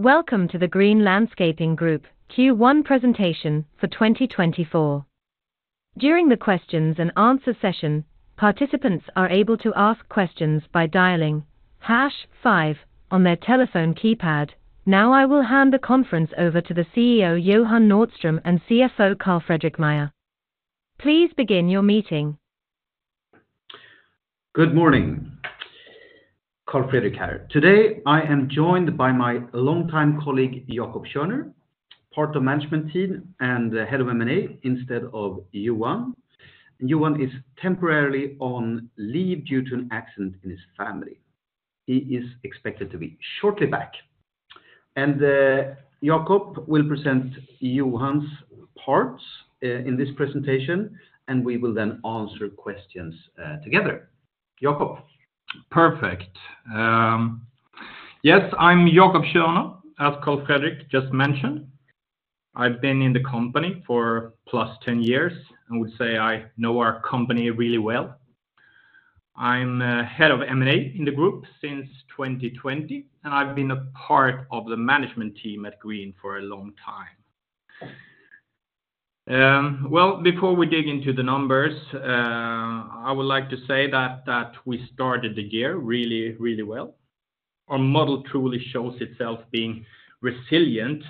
Welcome to the Green Landscaping Group Q1 presentation for 2024. During the questions and answer session, participants are able to ask questions by dialing hash five on their telephone keypad. Now I will hand the conference over to the CEO, Johan Nordström, and CFO, Carl-Fredrik Meijer. Please begin your meeting. Good morning. Carl-Fredrik here. Today, I am joined by my longtime colleague, Jakob Körner, part of management team and the head of M&A instead of Johan. Johan is temporarily on leave due to an accident in his family. He is expected to be back shortly. Jakob will present Johan's parts in this presentation, and we will then answer questions together. Jakob? Perfect. Yes, I'm Jakob Körner, as Carl-Fredrik just mentioned. I've been in the company for plus 10 years, and would say I know our company really well. I'm head of M&A in the group since 2020, and I've been a part of the management team at Green for a long time. Well, before we dig into the numbers, I would like to say that we started the year really, really well. Our model truly shows itself being resilient,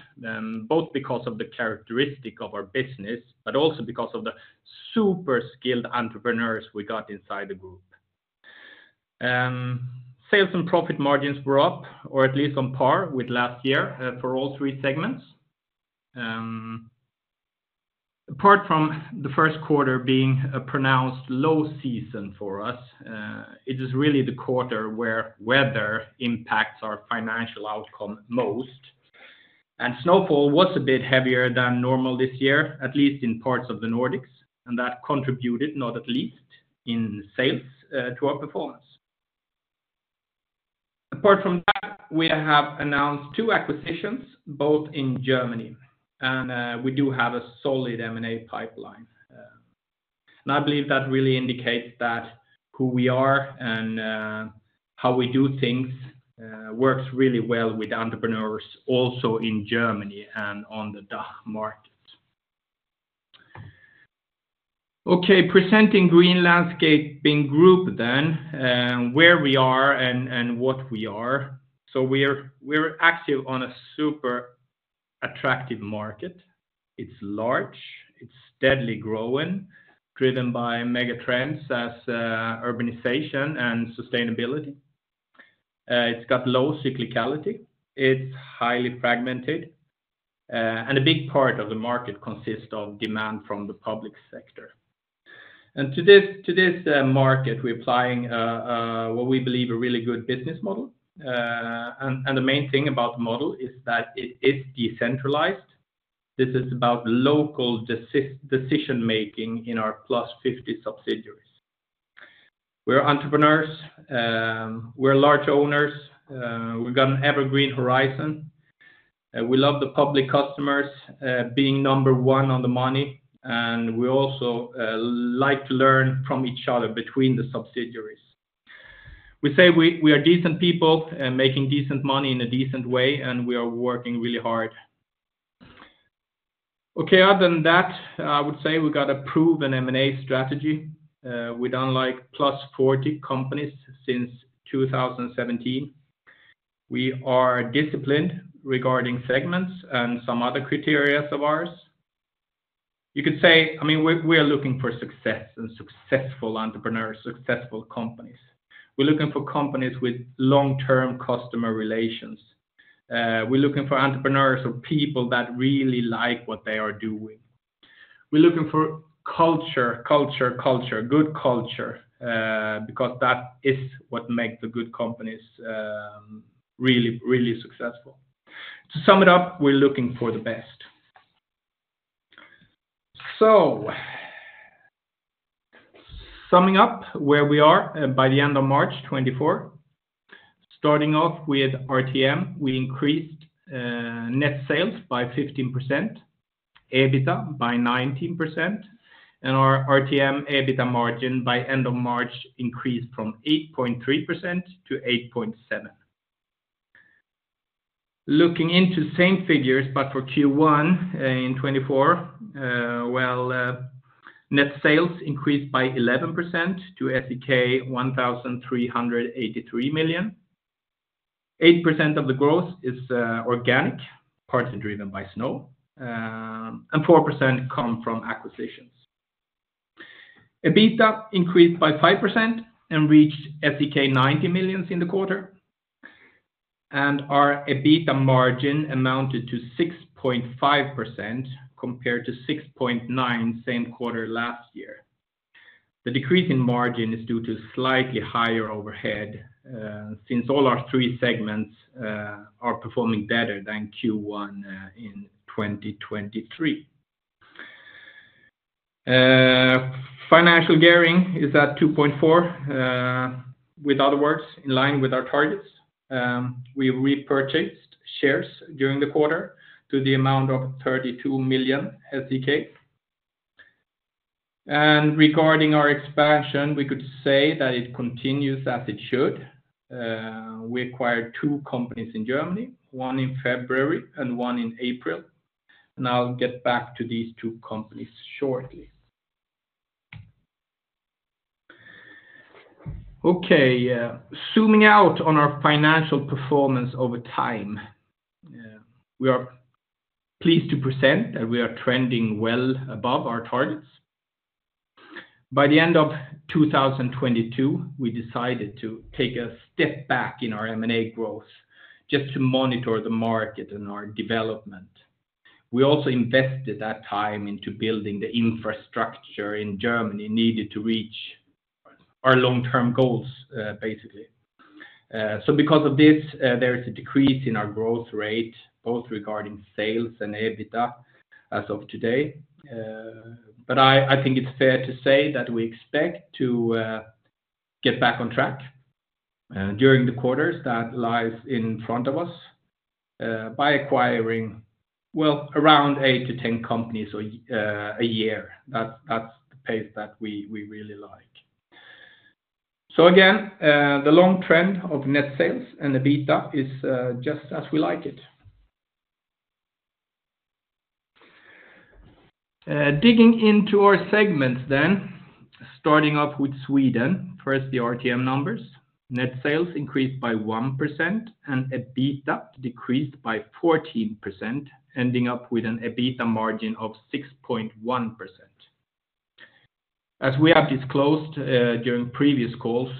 both because of the characteristic of our business, but also because of the super skilled entrepreneurs we got inside the group. Sales and profit margins were up, or at least on par with last year, for all three segments. Apart from the first quarter being a pronounced low season for us, it is really the quarter where weather impacts our financial outcome most. Snowfall was a bit heavier than normal this year, at least in parts of the Nordics, and that contributed, not at least in sales, to our performance. Apart from that, we have announced two acquisitions, both in Germany, and we do have a solid M&A pipeline. I believe that really indicates that who we are and how we do things works really well with entrepreneurs, also in Germany and on the DACH markets. Okay, presenting Green Landscaping Group then, and where we are and what we are. We are active on a super attractive market. It's large, it's steadily growing, driven by mega trends as urbanization and sustainability. It's got low cyclicality, it's highly fragmented, and a big part of the market consists of demand from the public sector. To this, to this, market, we're applying, what we believe a really good business model. And, and the main thing about the model is that it is decentralized. This is about local decision-making in our plus 50 subsidiaries. We're entrepreneurs, we're large owners, we've got an evergreen horizon, and we love the public customers, being number one on the money, and we also, like to learn from each other between the subsidiaries. We say we, we are decent people and making decent money in a decent way, and we are working really hard. Okay, other than that, I would say we've got a proven M&A strategy. We've done like +40 companies since 2017. We are disciplined regarding segments and some other criteria of ours. You could say, I mean, we are looking for success and successful entrepreneurs, successful companies. We're looking for companies with long-term customer relations. We're looking for entrepreneurs or people that really like what they are doing. We're looking for culture, culture, culture, good culture, because that is what make the good companies, really, really successful. To sum it up, we're looking for the best. So summing up where we are by the end of March 2024. Starting off with RTM, we increased net sales by 15%, EBITDA by 19%, and our RTM EBITDA margin by end of March increased from 8.3% to 8.7%. Looking into same figures, but for Q1 in 2024, net sales increased by 11% to SEK 1,383 million. Eight percent of the growth is organic, partly driven by snow, and 4% come from acquisitions. EBITDA increased by 5% and reached SEK 90 million in the quarter, and our EBITDA margin amounted to 6.5%, compared to 6.9%, same quarter last year. The decrease in margin is due to slightly higher overhead, since all our three segments are performing better than Q1 in 2023. Financial gearing is at 2.4, in other words, in line with our targets. We repurchased shares during the quarter to the amount of 32 million. And regarding our expansion, we could say that it continues as it should. We acquired two companies in Germany, one in February and one in April, and I'll get back to these two companies shortly. Okay, zooming out on our financial performance over time, we are pleased to present that we are trending well above our targets. By the end of 2022, we decided to take a step back in our M&A growth just to monitor the market and our development. We also invested that time into building the infrastructure in Germany needed to reach our long-term goals, basically. So because of this, there is a decrease in our growth rate, both regarding sales and EBITDA as of today. But I think it's fair to say that we expect to get back on track during the quarters that lies in front of us by acquiring, well, around 8-10 companies or a year. That's the pace that we really like. So again, the long trend of net sales and EBITDA is just as we like it. Digging into our segments then, starting off with Sweden. First, the RTM numbers. Net sales increased by 1%, and EBITDA decreased by 14%, ending up with an EBITDA margin of 6.1%. As we have disclosed during previous calls,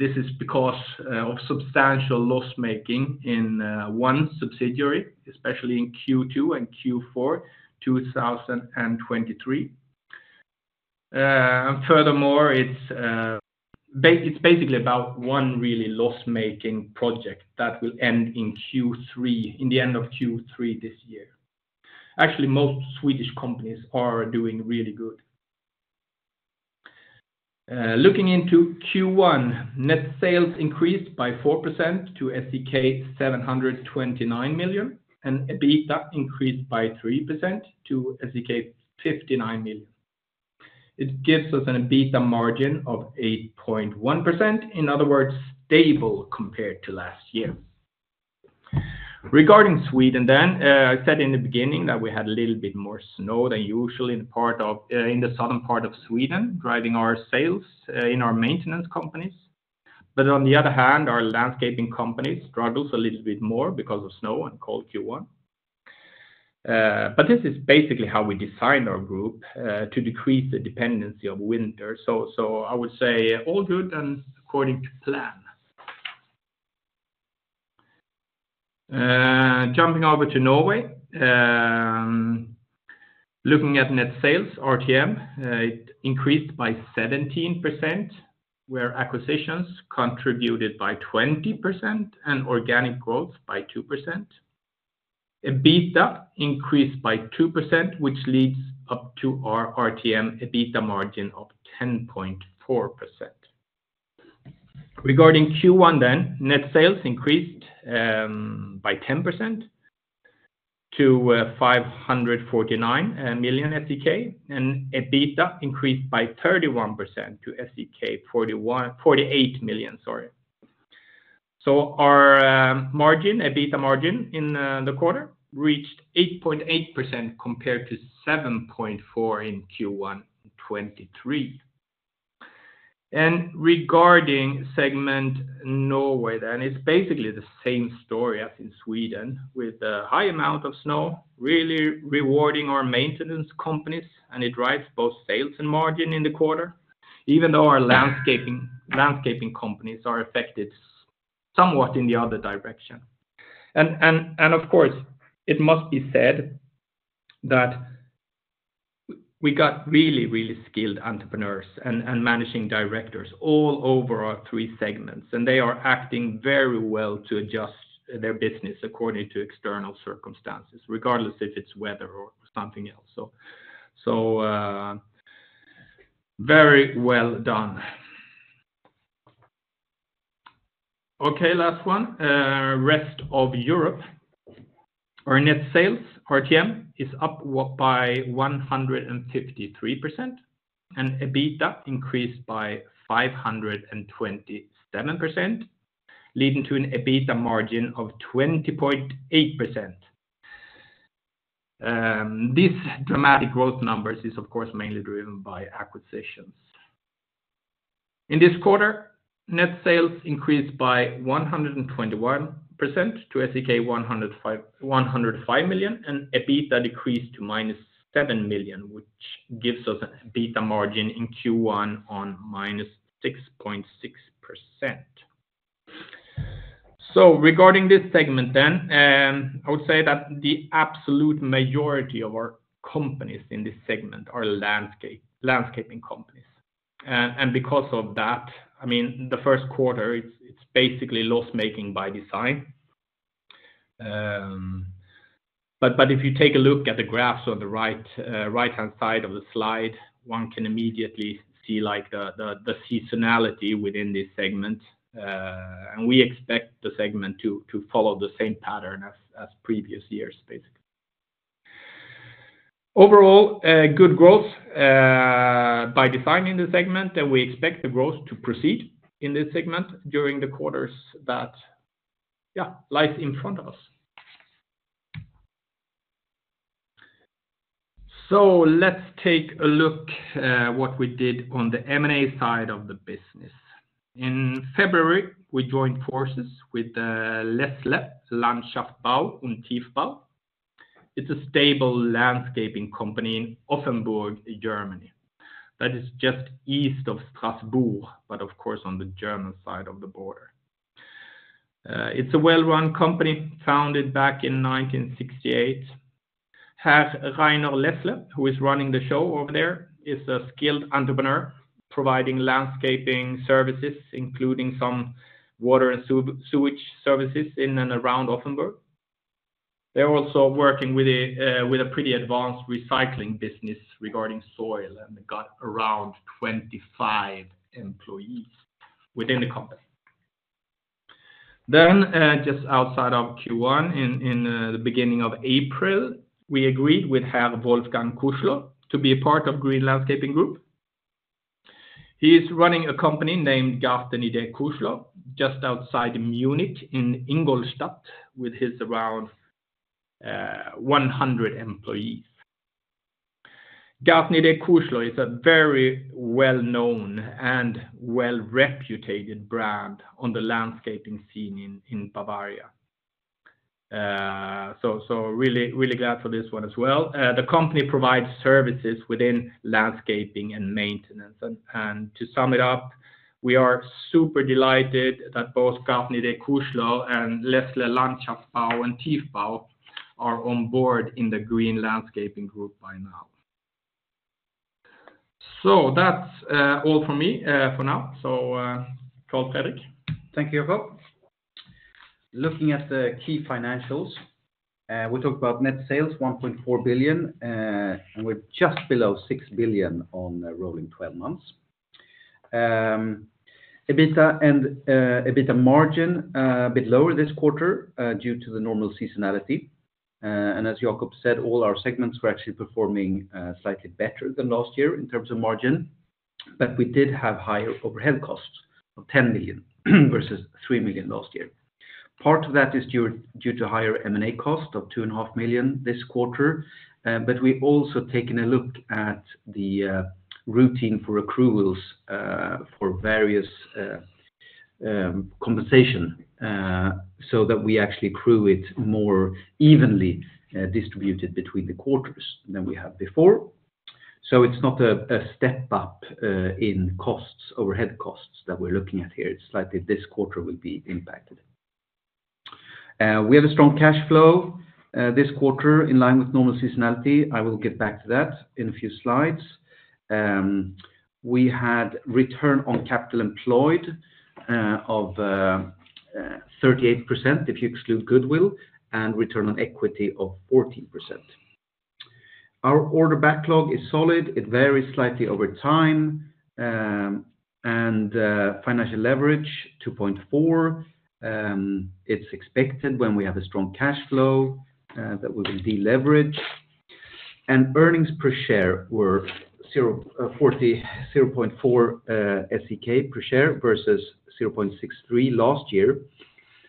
this is because of substantial loss-making in one subsidiary, especially in Q2 and Q4, 2023. Furthermore, it's basically about one really loss-making project that will end in Q3, in the end of Q3 this year. Actually, most Swedish companies are doing really good. Looking into Q1, net sales increased by 4% to 729 million, and EBITDA increased by 3% to 59 million. It gives us an EBITDA margin of 8.1%, in other words, stable compared to last year. Regarding Sweden then, I said in the beginning that we had a little bit more snow than usually in part of, in the southern part of Sweden, driving our sales in our maintenance companies. But on the other hand, our landscaping companies struggles a little bit more because of snow and cold Q1. But this is basically how we designed our group to decrease the dependency of winter. So I would say all good and according to plan. Jumping over to Norway, looking at net sales, RTM, it increased by 17%, where acquisitions contributed by 20% and organic growth by 2%. EBITDA increased by 2%, which leads up to our RTM EBITDA margin of 10.4%. Regarding Q1 then, net sales increased by 10% to 549 million, and EBITDA increased by 31% to SEK 48 million, sorry. So our margin, EBITDA margin in the quarter reached 8.8% compared to 7.4% in Q1 2023. And regarding segment Norway, then it's basically the same story as in Sweden, with a high amount of snow, really rewarding our maintenance companies, and it drives both sales and margin in the quarter, even though our landscaping companies are affected somewhat in the other direction. And of course, it must be said that we got really, really skilled entrepreneurs and managing directors all over our three segments, and they are acting very well to adjust their business according to external circumstances, regardless if it's weather or something else. So very well done. Okay, last one, rest of Europe. Our net sales, RTM, is up by 153%, and EBITDA increased by 527%, leading to an EBITDA margin of 20.8%. These dramatic growth numbers is, of course, mainly driven by acquisitions. In this quarter, net sales increased by 121% to 105 million, and EBITDA decreased to -7 million, which gives us EBITDA margin in Q1 on -6.6%. So regarding this segment then, I would say that the absolute majority of our companies in this segment are landscaping companies. And because of that, I mean, the first quarter, it's basically loss-making by design. But if you take a look at the graphs on the right, right-hand side of the slide, one can immediately see like the seasonality within this segment, and we expect the segment to follow the same pattern as previous years, basically. Overall, a good growth by defining the segment, and we expect the growth to proceed in this segment during the quarters that lies in front of us. So let's take a look at what we did on the M&A side of the business. In February, we joined forces with Lässler Landschaftsbau und Tiefbau. It's a stable landscaping company in Offenburg, Germany. That is just east of Strasbourg, but of course, on the German side of the border. It's a well-run company, founded back in 1968. Herr Rainer Lässler, who is running the show over there, is a skilled entrepreneur, providing landscaping services, including some water and sewage, sewage services in and around Offenburg. They're also working with a, with a pretty advanced recycling business regarding soil, and they got around 25 employees within the company. Then, just outside of Q1, in the beginning of April, we agreed with Herr Wolfgang Kuschel to be a part of Green Landscaping Group. He is running a company named Gärtnerei Kuschel, just outside Munich in Ingolstadt, with around 100 employees. Gärtnerei Kuschel is a very well-known and well-reputed brand on the landscaping scene in Bavaria. So, really glad for this one as well. The company provides services within landscaping and maintenance. And to sum it up, we are super delighted that both Gärtnerei Kuschel and Lässler Landschaftsbau und Tiefbau are on board in the Green Landscaping Group by now. So that's all from me for now. So, Carl-Fredrik. Thank you, Jakob. Looking at the key financials, we talked about net sales, 1.4 billion, and we're just below 6 billion on rolling twelve months. EBITDA and, EBITDA margin, a bit lower this quarter, due to the normal seasonality. And as Jakob said, all our segments were actually performing, slightly better than last year in terms of margin, but we did have higher overhead costs of 10 million versus 3 million last year. Part of that is due, due to higher M&A cost of 2.5 million this quarter, but we've also taken a look at the, routine for accruals, for various, compensation, so that we actually accrue it more evenly, distributed between the quarters than we have before. So it's not a step up in costs, overhead costs, that we're looking at here. It's slightly this quarter will be impacted. We have a strong cash flow this quarter, in line with normal seasonality. I will get back to that in a few slides. We had return on capital employed of 38%, if you exclude goodwill, and return on equity of 14%. Our order backlog is solid. It varies slightly over time, and financial leverage, 2.4. It's expected when we have a strong cash flow that we will deleverage. Earnings per share were zero point four SEK per share, versus zero point six three SEK per share last year.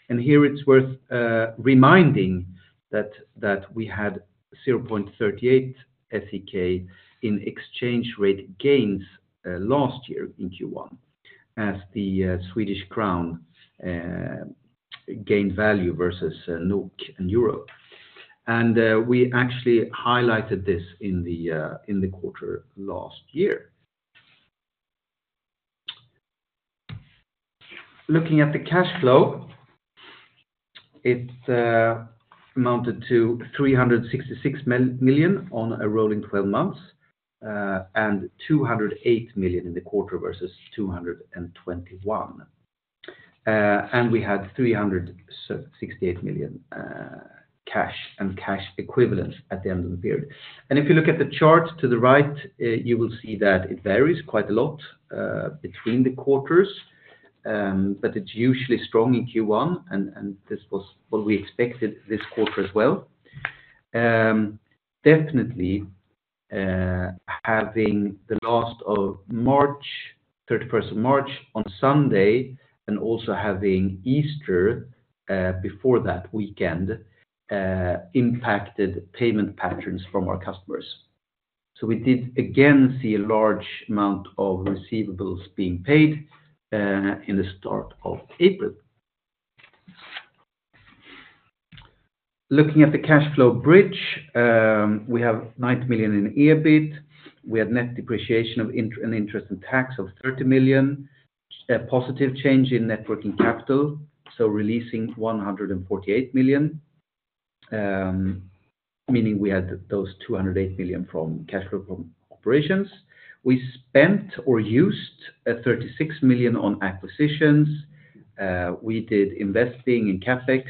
And here, it's worth reminding that we had 0.38 SEK in exchange rate gains last year in Q1, as the Swedish crown gained value versus NOK and Euro. And we actually highlighted this in the quarter last year. Looking at the cash flow, it amounted to 366 million on a rolling twelve months, and 208 million in the quarter versus 221 million. And we had 368 million cash and cash equivalents at the end of the period. And if you look at the chart to the right, you will see that it varies quite a lot between the quarters, but it's usually strong in Q1, and this was what we expected this quarter as well. Definitely, having the last of March, 31st of March on Sunday, and also having Easter before that weekend, impacted payment patterns from our customers. So we did again see a large amount of receivables being paid in the start of April. Looking at the cash flow bridge, we have 90 million in EBIT. We had net depreciation and interest and tax of 30 million, a positive change in working capital, so releasing 148 million, meaning we had those 208 million from cash flow from operations. We spent or used 36 million on acquisitions. We did investing in CapEx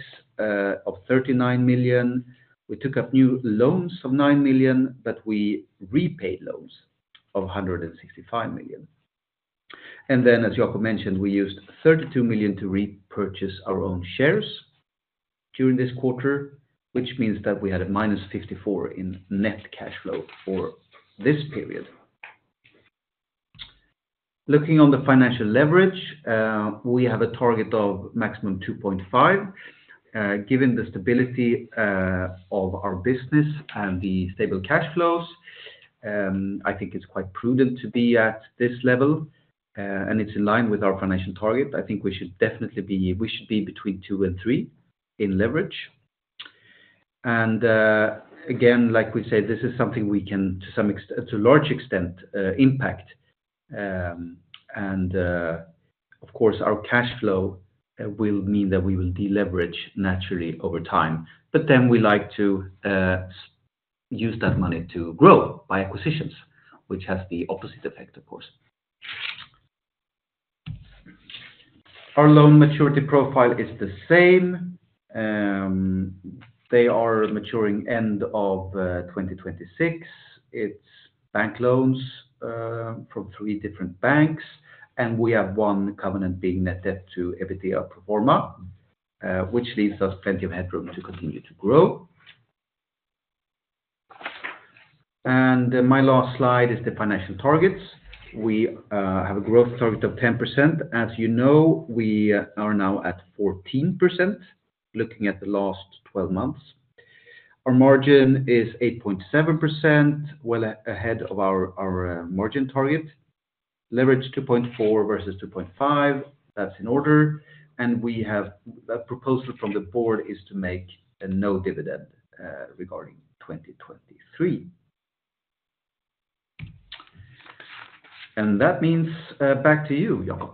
of 39 million. We took up new loans of 9 million, but we repaid loans of 165 million. As Jakob mentioned, we used 32 million to repurchase our own shares during this quarter, which means that we had -54 million in net cash flow for this period. Looking on the financial leverage, we have a target of maximum 2.5. Given the stability of our business and the stable cash flows, I think it's quite prudent to be at this level, and it's in line with our financial target. I think we should definitely be between 2 and 3 in leverage. And, again, like we said, this is something we can, to a large extent, impact. And, of course, our cash flow will mean that we will deleverage naturally over time. But then we like to use that money to grow by acquisitions, which has the opposite effect, of course. Our loan maturity profile is the same. They are maturing end of 2026. It's bank loans from three different banks, and we have one covenant being net debt to EBITDA pro forma, which leaves us plenty of headroom to continue to grow. And my last slide is the financial targets. We have a growth target of 10%. As you know, we are now at 14%, looking at the last twelve months. Our margin is 8.7%, well ahead of our margin target. Leverage 2.4 versus 2.5, that's in order, and we have... That proposal from the board is to make a no dividend regarding 2023. And that means, back to you, Jakob.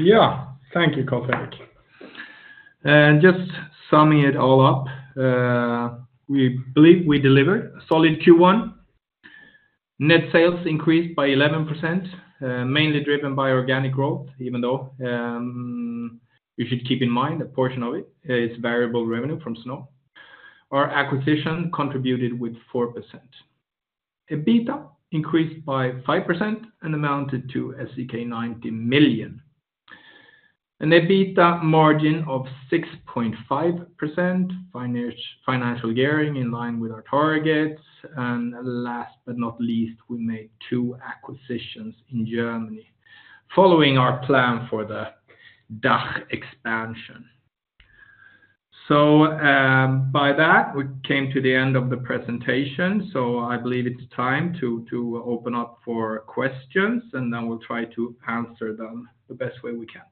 Yeah. Thank you, Carl-Fredrik. Just summing it all up, we believe we delivered a solid Q1. Net sales increased by 11%, mainly driven by organic growth, even though you should keep in mind a portion of it is variable revenue from snow. Our acquisition contributed with 4%. EBITDA increased by 5% and amounted to SEK 90 million. An EBITDA margin of 6.5%, financial gearing in line with our targets. And last but not least, we made two acquisitions in Germany, following our plan for the DACH expansion. So, by that, we came to the end of the presentation, so I believe it's time to open up for questions, and then we'll try to answer them the best way we can.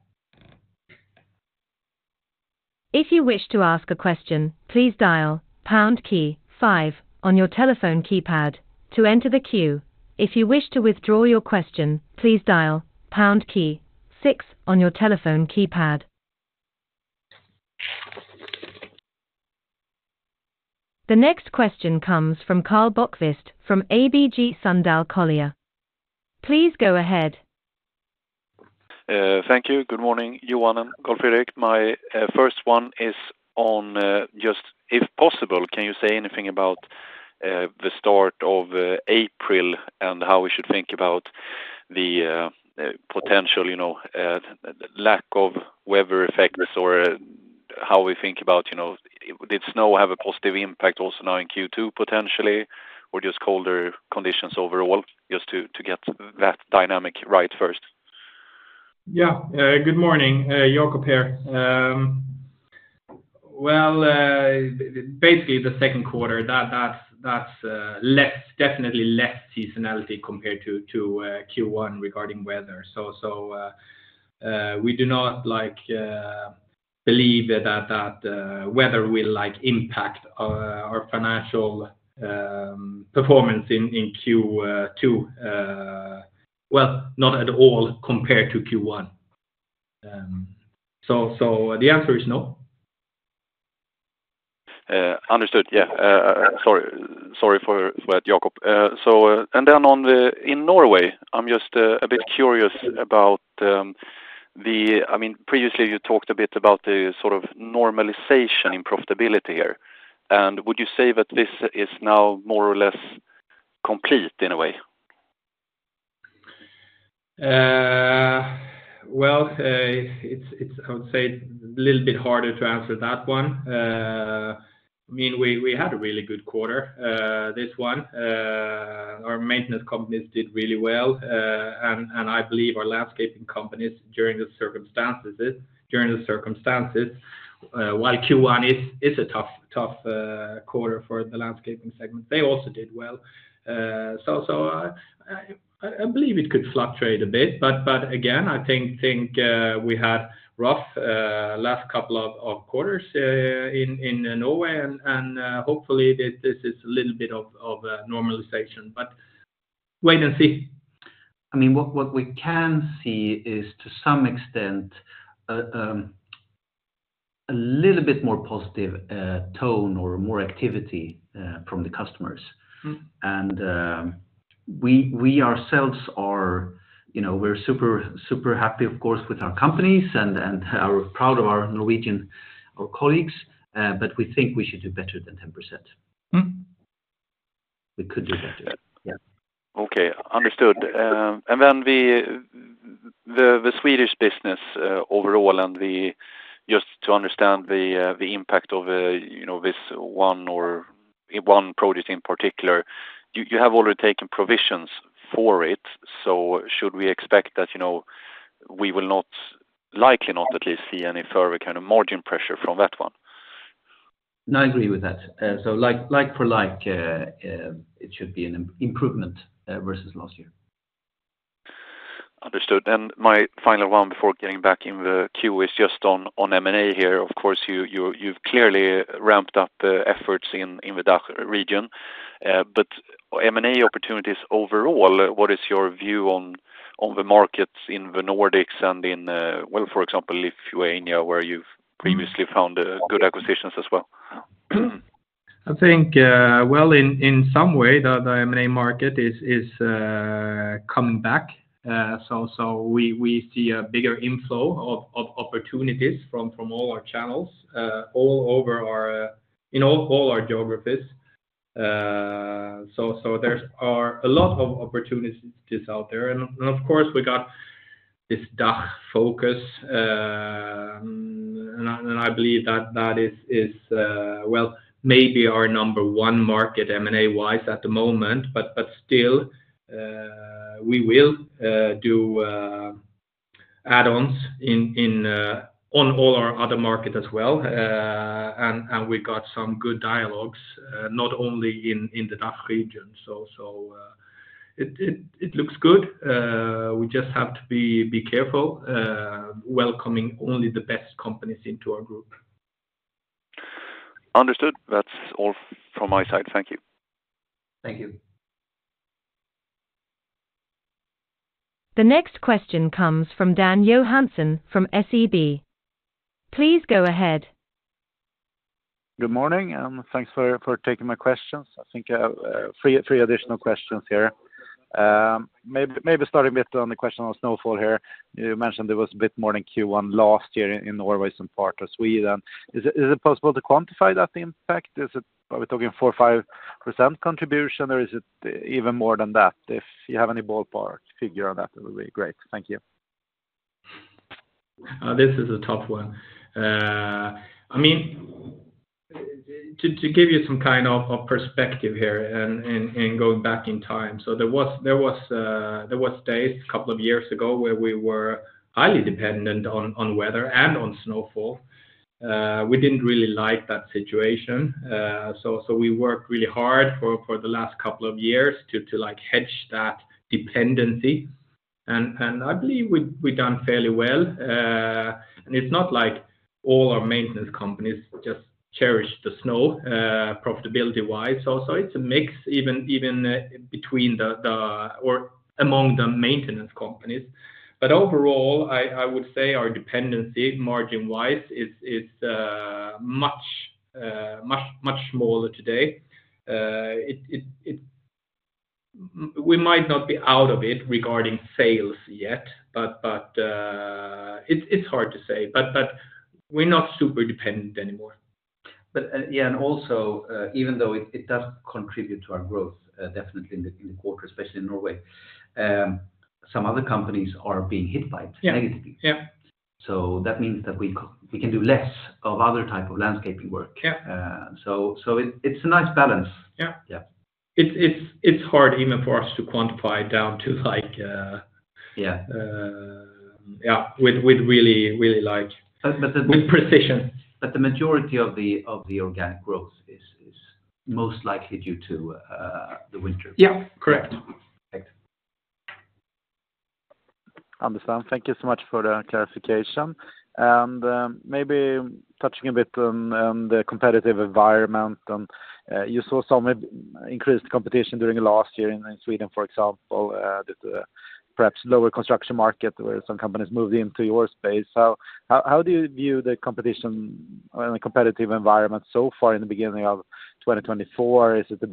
If you wish to ask a question, please dial pound key five on your telephone keypad to enter the queue. If you wish to withdraw your question, please dial pound key six on your telephone keypad. The next question comes from Karl Bokvist from ABG Sundal Collier. Please go ahead. Thank you. Good morning, Johan and Carl-Fredrik. My first one is on just if possible, can you say anything about the start of April and how we should think about the potential, you know, lack of weather effects or how we think about, you know, did snow have a positive impact also now in Q2, potentially, or just colder conditions overall? Just to get that dynamic right first. Yeah. Good morning, Jakob here. Well, basically, the second quarter, definitely less seasonality compared to Q1 regarding weather. So, we do not, like, believe that weather will, like, impact our financial performance in Q2, well, not at all compared to Q1. So, the answer is no. Understood. Yeah. Sorry for that, Jakob. So, and then on the—in Norway, I'm just a bit curious about the... I mean, previously, you talked a bit about the sort of normalization in profitability here. And would you say that this is now more or less complete in a way? Well, it's a little bit harder to answer that one. I mean, we had a really good quarter, this one. Our maintenance companies did really well, and I believe our landscaping companies during the circumstances, during the circumstances, while Q1 is a tough quarter for the landscaping segment, they also did well. So I believe it could fluctuate a bit, but again, I think we had rough last couple of quarters in Norway, and hopefully, this is a little bit of normalization, but wait and see. I mean, what we can see is, to some extent, a little bit more positive tone or more activity from the customers. Mm-hmm. We ourselves are, you know, super, super happy, of course, with our companies and are proud of our Norwegian colleagues, but we think we should do better than 10%. Mm-hmm.... We could do that, yeah. Okay, understood. And then the Swedish business overall and just to understand the impact of, you know, this one or one product in particular, you have already taken provisions for it, so should we expect that, you know, we will not, likely not at least see any further kind of margin pressure from that one? No, I agree with that. So like, like for like, it should be an improvement versus last year. Understood. And my final one before getting back in the queue is just on M&A here. Of course, you, you've clearly ramped up the efforts in the DACH region, but M&A opportunities overall, what is your view on the markets in the Nordics and in, well, for example, Lithuania, where you've previously found good acquisitions as well? I think, well, in some way the M&A market is coming back. So we see a bigger inflow of opportunities from all our channels all over our in all our geographies. So there are a lot of opportunities out there. And of course, we got this DACH focus, and I believe that is well, maybe our number one market M&A-wise at the moment. But still, we will do add-ons in on all our other markets as well. And we got some good dialogues not only in the DACH region. So it looks good. We just have to be careful welcoming only the best companies into our group. Understood. That's all from my side. Thank you. Thank you. The next question comes from Dan Johansson from SEB. Please go ahead. Good morning, and thanks for taking my questions. I think I have 3 additional questions here. Maybe starting a bit on the question on snowfall here. You mentioned there was a bit more than Q1 last year in Norway and part of Sweden. Is it possible to quantify that impact? Is it... Are we talking 4% or 5% contribution, or is it even more than that? If you have any ballpark figure on that, it would be great. Thank you. This is a tough one. I mean, to give you some kind of perspective here and going back in time, so there was days a couple of years ago where we were highly dependent on weather and on snowfall. We didn't really like that situation, so we worked really hard for the last couple of years to, like, hedge that dependency, and I believe we've done fairly well. And it's not like all our maintenance companies just cherish the snow, profitability-wise. Also, it's a mix even between the or among the maintenance companies. But overall, I would say our dependency, margin-wise, is much, much smaller today. We might not be out of it regarding sales yet, but it's hard to say, but we're not super dependent anymore. But, yeah, and also, even though it, it does contribute to our growth, definitely in the, in the quarter, especially in Norway, some other companies are being hit by it- Yeah... negatively. Yeah. So that means that we can do less of other type of landscaping work. Yeah. So, it’s a nice balance. Yeah. Yeah. It's hard even for us to quantify down to, like- Yeah... yeah, with really, really, like- But the- With precision. The majority of the organic growth is most likely due to the winter. Yeah, correct. Thanks. Understand. Thank you so much for the clarification. Maybe touching a bit on the competitive environment, and you saw some increased competition during the last year in Sweden, for example, perhaps lower construction market, where some companies moved into your space. So how do you view the competition and the competitive environment so far in the beginning of 2024? Is it a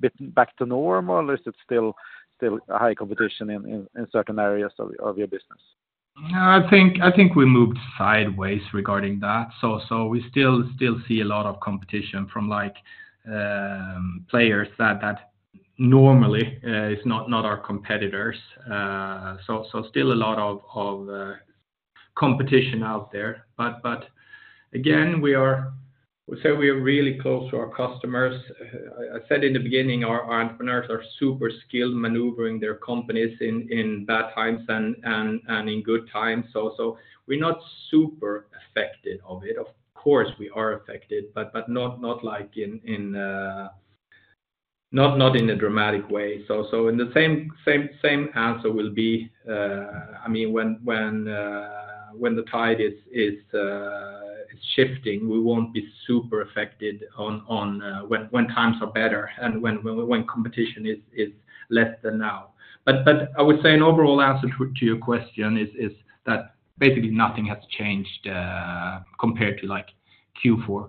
bit back to norm, or is it still a high competition in certain areas of your business? I think, I think we moved sideways regarding that. So, so we still, still see a lot of competition from like, players that, that normally, is not, not our competitors. So, so still a lot of, of, competition out there. But, but again, we are... So we are really close to our customers. I, I said in the beginning, our entrepreneurs are super skilled maneuvering their companies in, in bad times and, and, and in good times. So, so we're not super affected of it. Of course, we are affected, but, but not, not like in, in, not, not in a dramatic way. So, in the same answer will be, I mean, when the tide is shifting, we won't be super affected when times are better and when competition is less than now. But I would say an overall answer to your question is that basically nothing has changed compared to, like, Q4.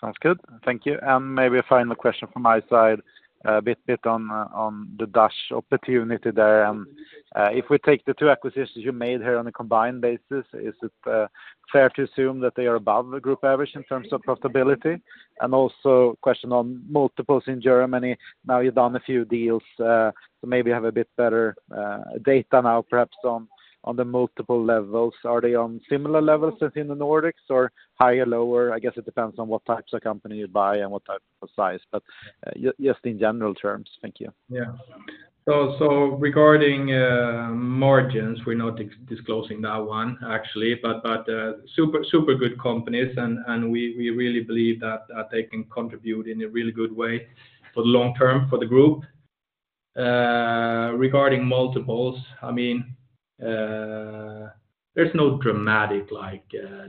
Sounds good. Thank you. And maybe a final question from my side, a bit on the DACH opportunity there. If we take the two acquisitions you made here on a combined basis, is it fair to assume that they are above the group average in terms of profitability? And also question on multiples in Germany. Now, you've done a few deals, so maybe you have a bit better data now, perhaps on the multiple levels. Are they on similar levels as in the Nordics, or higher, lower? I guess it depends on what types of company you buy and what type of size, but just in general terms. Thank you. Yeah. So, regarding margins, we're not disclosing that one actually, but super good companies, and we really believe that they can contribute in a really good way for the long term for the group. Regarding multiples, I mean, there's no dramatic like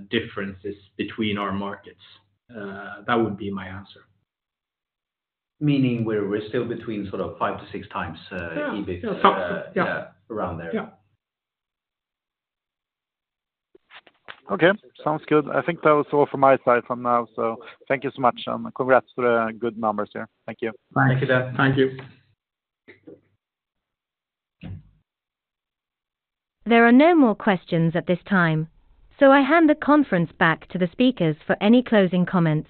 differences between our markets. That would be my answer. Meaning we're still between sort of 5-6 times EBIT- Yeah. Yeah, around there. Yeah. Okay. Sounds good. I think that was all from my side for now. So thank you so much, and congrats to the good numbers here. Thank you. Bye. Thank you, Dan. Thank you. There are no more questions at this time, so I hand the conference back to the speakers for any closing comments.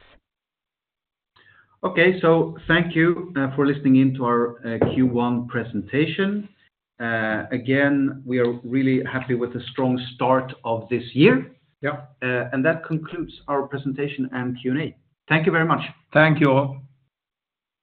Okay, so thank you for listening in to our Q1 presentation. Again, we are really happy with the strong start of this year. Yeah. That concludes our presentation and Q&A. Thank you very much. Thank you all!